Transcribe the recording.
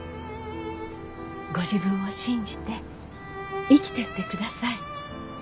ご自分を信じて生きてってください。